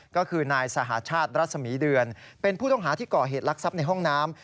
ก็คือนายสหชาติรัศมีเดือนเป็นผู้ต้องหาที่ก่อเหตุลักษัพในห้องน้ำ